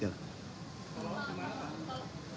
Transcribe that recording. tol laut dibahas tidak detail